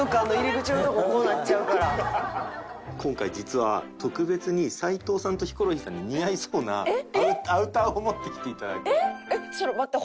今回実は特別に齊藤さんとヒコロヒーさんに似合いそうなアウターを持ってきていただいた。